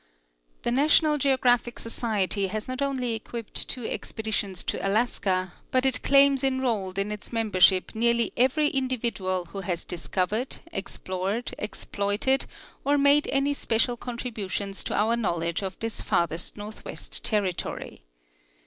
The National Gp:ographic Society has not only equipped two expeditions to Alaska, but it claims enrolled in its member ship nearly every individual who has discovered, explored, ex ploited or made any special contributions to our knowledge of this farthest northwest territory.